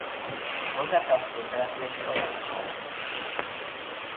A hozzá tartozó település Poiana Mare.